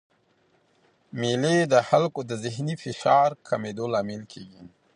مېلې د خلکو د ذهني فشار د کمېدو لامل کېږي.